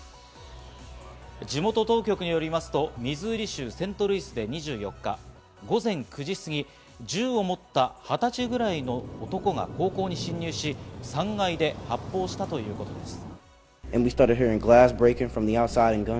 地元当局によりますと、ミズ―リ州セントルイスで２４日、午前９時すぎ、銃を持った２０歳ぐらいの男が高校に侵入し、３階で発砲したということです。